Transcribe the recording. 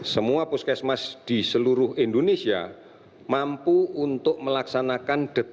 semua puskesmas di seluruh indonesia mampu untuk melaksanakan deteksi dini masalah ini